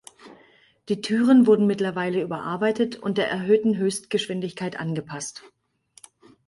Die Türen wurden mittlerweile überarbeitet und der erhöhten Höchstgeschwindigkeit angepasst.